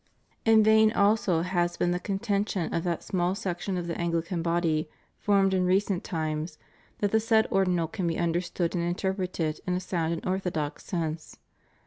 In vain also has been the con tention of that small section of the Anghcan body formed in recent times that the said Ordinal can be understood and interpreted in a sound and orthodox sense.